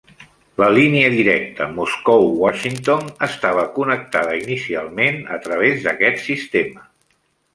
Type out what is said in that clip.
La línia directa Moscou-Washington estava connectada inicialment a través d'aquest sistema.